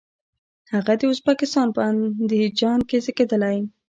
هغه د ازبکستان په اندیجان کې زیږیدلی.